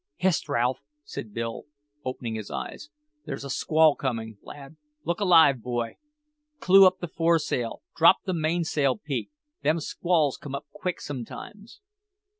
"Hist, Ralph!" said Bill, opening his eyes; "there's a squall coming, lad! Look alive, boy! Clew up the foresail! Drop the mainsail peak! Them squalls come quick sometimes."